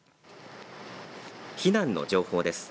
避難の情報です。